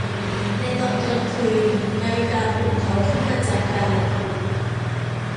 ในตอนกลางคืนนาฬิกาปลุกเขาขึ้นมาจากการหลับลึก